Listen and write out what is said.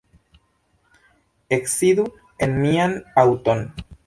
Eksidu en mian aŭton.